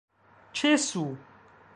ĉesu